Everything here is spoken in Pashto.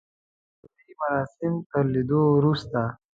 د هغوی مذهبي مراسم تر لیدو وروسته.